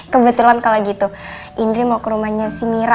kebetulan kalau gitu indri mau ke rumahnya si mira